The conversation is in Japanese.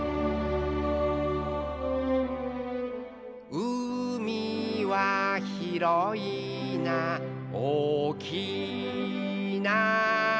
「うみはひろいなおおきいな」